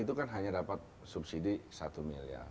itu kan hanya dapat subsidi satu miliar